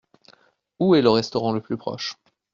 Où est le restaurant le plus proche ?